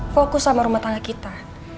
fokus sama rumah tangga kita